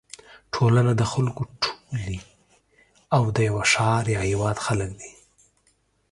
ټولنه د خلکو ټولی او د یوه ښار یا هېواد خلک دي.